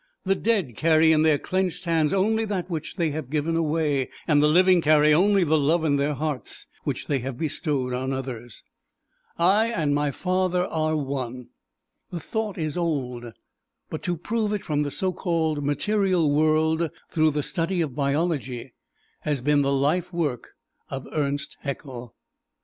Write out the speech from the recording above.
The dead carry in their clenched hands only that which they have given away; and the living carry only the love in their hearts which they have bestowed on others. "I and my Father are one" the thought is old, but to prove it from the so called material world through the study of biology has been the life work of Ernst Haeckel.